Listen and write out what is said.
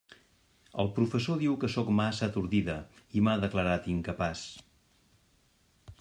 El professor diu que sóc massa atordida, i m'ha declarat incapaç.